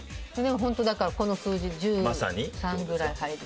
ホントだからこの数字１３ぐらい入る。